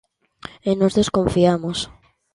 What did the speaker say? E nós desconfiamos.